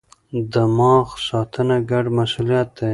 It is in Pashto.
دماغ ساتنه ګډ مسئولیت دی.